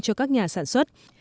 cho các nhà sản xuất